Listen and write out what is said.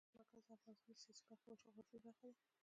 د هېواد مرکز د افغانستان د سیاسي جغرافیه برخه ده.